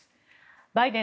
バイデン